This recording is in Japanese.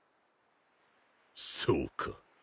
そうか。